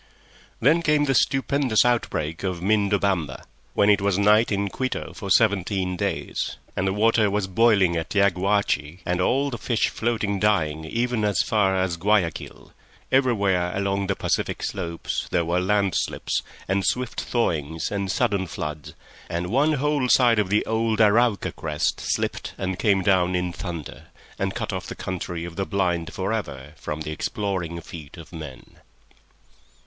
Then came the stupendous outbreak of Mindobamba, when it was night in Quito for seventeen days, and the water was boiling at Yaguachi and all the fish floating dying even as far as Guayaquil; everywhere along the Pacific slopes there were land slips and swift thawings and sudden floods, and one whole side of the old Arauca crest slipped and came down in thunder, and cut off the Country of the Blind for ever from the exploring feet of men.